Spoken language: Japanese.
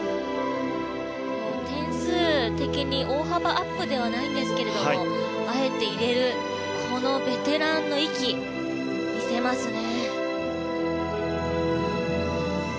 点数的に大幅アップではないんですけどあえて入れるこのベテランの域見せますね。